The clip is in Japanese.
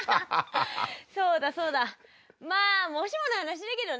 そうだそうだまあもしもの話だけどね！